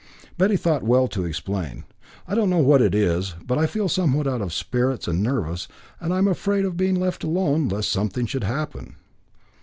Betty thought well to explain: "I don't know what it is, but I feel somewhat out of spirits and nervous, and am afraid of being left alone, lest something should happen."